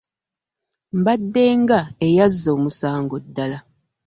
Mbadde nga eyazza omusango ddala.